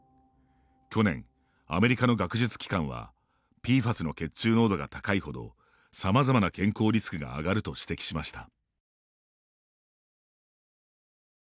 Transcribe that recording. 去年、アメリカの学術機関はＰＦＡＳの血中濃度が高いほどさまざまな健康リスクが上がると指摘しました。